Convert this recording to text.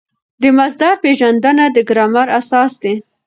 د مصدر پېژندنه د ګرامر اساس دئ.